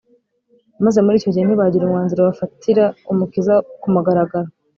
maze mur’icyo gihe ntibagira umwanzuro bafatira Umukiza ku mugaragaro